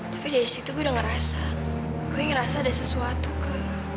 tapi dari situ gue udah ngerasa gue ngerasa ada sesuatu kak